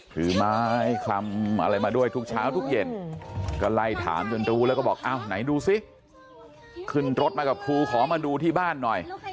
ถือไม้คลำอะไรมาด้วยทุกเช้าทุกเย็นก็ไล่ถามจนรู้แล้วก็บอกอ้าวไหนดูสิขึ้นรถมากับครูขอมาดูที่บ้านหน่อย